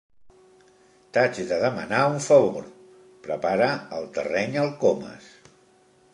T'haig de demanar un favor —prepara el terreny el Comas.